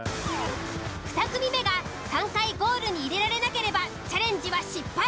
２組目が３回ゴールに入れられなければチャレンジは失敗。